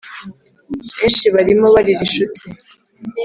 benshi barimo barira inshuti